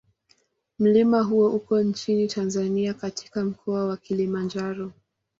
Mlima huo uko nchini Tanzania katika Mkoa wa Kilimanjaro.